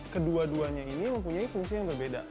kedua duanya ini mempunyai fungsi yang berbeda